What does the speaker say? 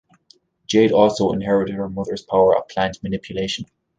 Jade also inherited her mother's power of plant manipulation.